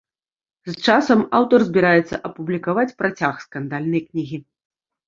З часам аўтар збіраецца апублікаваць працяг скандальнай кнігі.